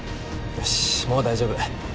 よしもう大丈夫。